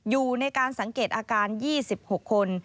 อยู่ในการสังเกตอาการ๒๖คน